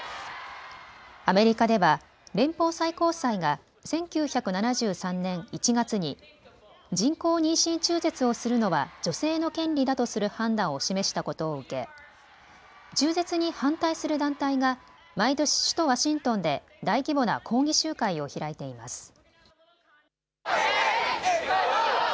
アメリカでは連邦最高裁が１９７３年１月に人工妊娠中絶をするのは女性の権利だとする判断を示したことを受け中絶に反対する団体が毎年、首都ワシントンで大規模な抗議集会を開いています。